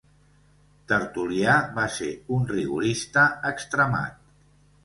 Tertulià va ser un rigorista extremat.